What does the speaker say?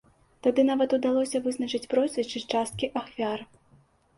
Тады нават удалося вызначыць прозвішчы часткі ахвяр.